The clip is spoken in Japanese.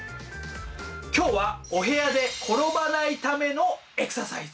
今日はお部屋で転ばないためのエクササイズ。